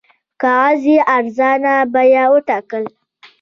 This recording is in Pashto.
کاغذ یې ارزان بیه وټاکئ.